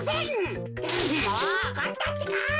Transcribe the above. もうおこったってか。